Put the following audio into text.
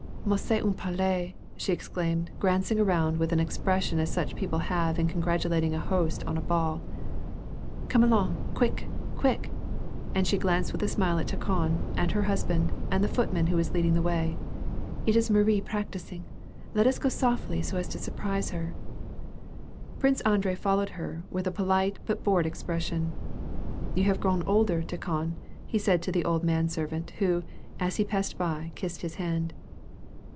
" Mais c^esf nn palais !" she exclaimed, glancing around with an expression such as people have in congratulating a host on a ball. " Come along quick, quick !" and she glanced with a smile at Tikhon and her husband and the footman who was leading the way. " It's Marie practising : let us go softly, so as to surprise her." Prince Andrei 'followed her, with a polite but bored expres sion. " You have grown older, Tikhon," said he to the old man servant, who, as he passed by, kissed his hand.